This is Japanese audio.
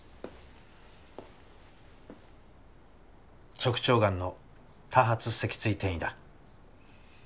直腸癌の多発脊椎転移だ。